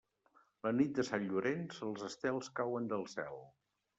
La nit de Sant Llorenç, els estels cauen del cel.